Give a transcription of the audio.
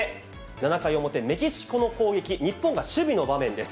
７回表、メキシコの攻撃、日本が守備の場面です。